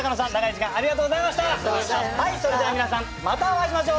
はいそれでは皆さんまたお会いしましょう。